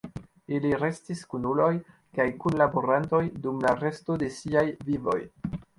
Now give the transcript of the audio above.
Ili restis kunuloj kaj kunlaborantoj dum la resto de siaj vivoj.